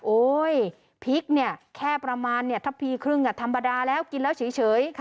พริกเนี่ยแค่ประมาณถ้าปีครึ่งธรรมดาแล้วกินแล้วเฉย